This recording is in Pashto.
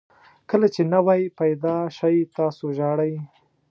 کله چې نوی پیدا شئ تاسو ژاړئ.